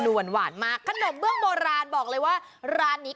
หวานหวานมากขนมเบื้องโบราณบอกเลยว่าร้านนี้